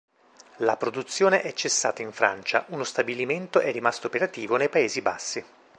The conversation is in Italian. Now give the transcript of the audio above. La produzione è cessata in Francia, uno stabilimento è rimasto operativo nei Paesi Bassi.